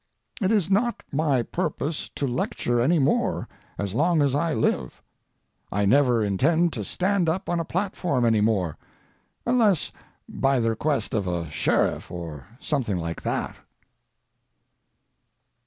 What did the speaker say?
It is not my purpose to lecture any more as long as I live. I never intend to stand up on a platform any more—unless by the request of a sheriff or something like that.